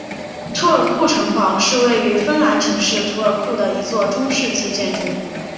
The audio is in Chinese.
图尔库城堡是位于芬兰城市图尔库的一座中世纪建筑。